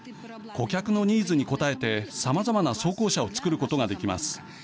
顧客のニーズに応えてさまざまな装甲車を造ることができます。